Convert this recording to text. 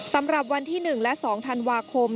สำหรับวันที่๑และ๒ธันวาคม